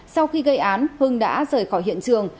sau khi gây án hưng đã rời khỏi hiện trường